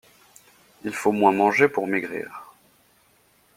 Il faut moins manger pour maigrir.